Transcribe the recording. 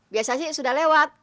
biasa sih sudah lewat